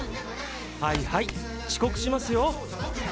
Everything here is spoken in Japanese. はいはい遅刻しますよ。